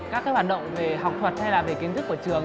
các hoạt động về học thuật hay là về kiến thức của trường